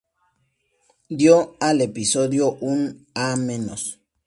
Dio al episodio un A-.